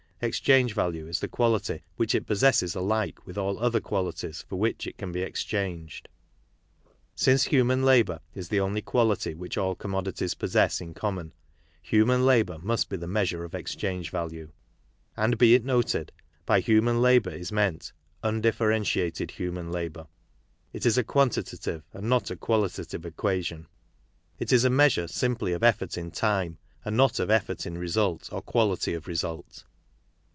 Exchange value is the quality which it possesses alike with all other qualities for which it can be exchanged. Since human labour is the only quality which all commodities possess in common, human labour must be the measure of ex change value. And, be it noted, _by huma n labour is meant " undiffere ntiated human labour," 11 is 'a. quanti tative and n ot a qualitative equation, it is a measur e siniply ot efCort in time and not of effort in result "o r quality ot result.